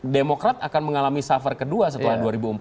demokrat akan mengalami suffer kedua setelah dua ribu empat belas